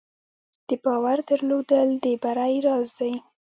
د باور درلودل د بری راز دی.